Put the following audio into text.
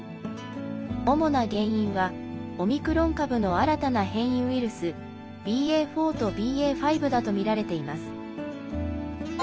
主な原因は、オミクロン株の新たな変異ウイルスＢＡ．４とＢＡ．５だとみられています。